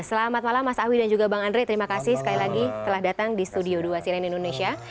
selamat malam mas awi dan juga bang andre terima kasih sekali lagi telah datang di studio dua cnn indonesia